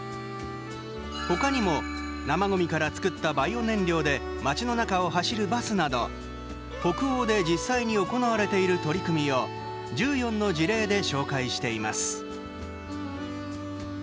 他にも、生ごみから作ったバイオ燃料で街の中を走るバスなど北欧で実際に行われている取り組みを１４の事例で紹介しています。